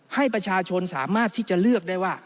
ให้ประชาชนสามารถที่จะเลือกได้ว่า